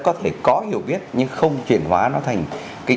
có thể có hiểu viết nhưng không chuyển hóa nó thành cái